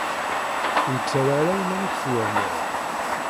Ur ttarra ara iman-nnek twehmed.